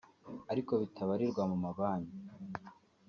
ariko bitabarirwa mu mabanki